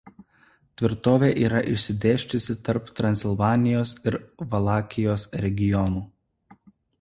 Tvirtovė yra išsidėsčiusi tarp Transilvanijos ir Valakijos regionų.